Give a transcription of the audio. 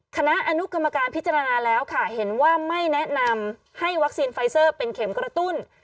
คณะอนุกรรมการพิจารณาแล้วค่ะเห็นว่าไม่แนะนำให้วัคซีนไฟเซอร์เป็นเข็มกระตุ้น